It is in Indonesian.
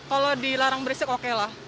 kalau dilarang berisik oke lah